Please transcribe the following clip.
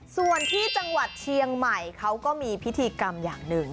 ส่วนที่จังหวัดเชียงใหม่เขาก็มีพิธีกรรมอย่างหนึ่ง